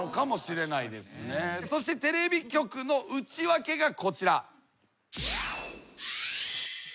そしてテレビ局の内訳がこちら。